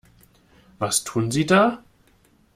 Was tun Sie da?